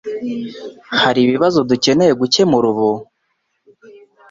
Hari ibibazo dukeneye gukemura ubu?